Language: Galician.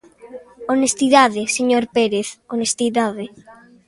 Honestidade, señor Pérez, honestidade.